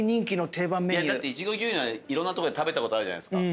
だっていちご牛乳ならいろんなとこで食べたことあるじゃないですか。